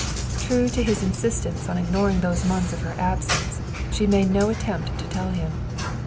True to his insistence on ignoring those months of her absence, she made no attempt to tell him.